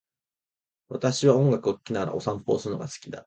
私は音楽を聴きながらお散歩をするのが好きだ。